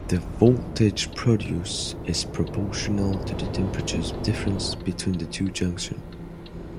The voltage produced is proportional to the temperature difference between the two junctions.